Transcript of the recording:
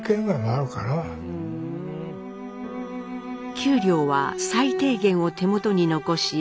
給料は最低限を手元に残し実家へ。